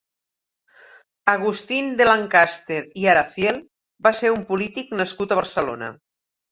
Agustín de Lancaster i Araciel va ser un polític nascut a Barcelona.